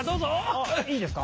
あっいいですか？